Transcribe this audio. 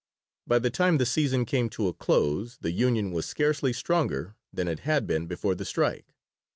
By the time the "season" came to a close the union was scarcely stronger than it had been before the strike.